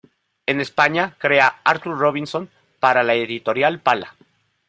En España crea "Artur Robinson" para la editorial Pala.